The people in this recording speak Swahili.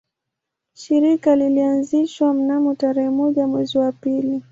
Shirika lilianzishwa mnamo tarehe moja mwezi wa pili